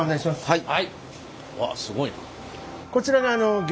はい。